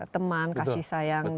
teman kasih sayang